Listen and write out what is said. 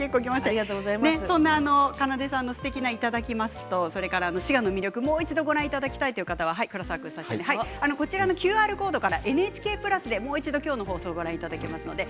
そんなかなでさんのすてきないただきますと滋賀の魅力をもう一度ご覧いただきたい方はＱＲコードからＮＨＫプラスでもう一度今日の放送をご覧いただけます。